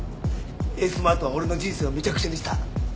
エースマートは俺の人生をめちゃくちゃにした。